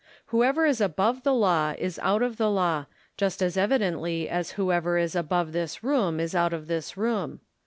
Whoever is above the law is out of the law, just as evidently as whoever is above this room is out of this room.